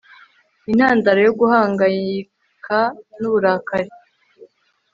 Intandaro yo Guhangayika nUburakari